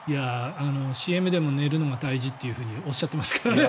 ＣＭでも寝るのが大事っておっしゃっていましたからね